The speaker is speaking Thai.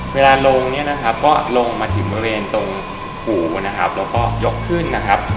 เวลาลงเนี่ยนะครับก็ลงมาถึงบริเวณตรงหูนะครับแล้วก็ยกขึ้นนะครับ